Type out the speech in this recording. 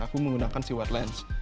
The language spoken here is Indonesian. aku menggunakan si wide lens